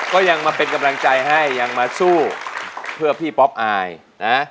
ก็ยังมาเป็นกำลังใจให้ยังมาสู้เพื่อพี่ป๊อปอายนะ